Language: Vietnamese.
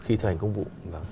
khi thành công vụ